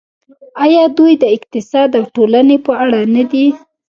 آیا دوی د اقتصاد او ټولنې په اړه نه دي؟